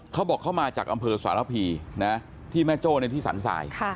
เขาบอกเขามาจากอำเภอสารพีนะที่แม่โจ้ในที่สรรสาย